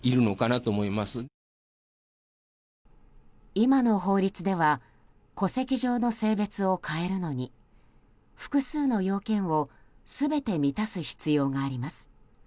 今の法律では戸籍上の性別を変えるのに複数の要件を全て満たす必要があります。